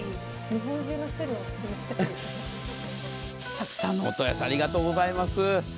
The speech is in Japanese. たくさんのお問い合わせありがとうございます。